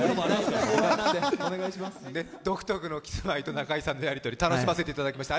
独特のキスマイと中居さんのやりとり楽しませていただきました。